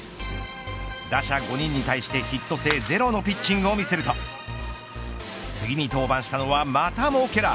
打者５人に対してヒット性ゼロのピッチングを見せると次に登板したのはまたもケラー。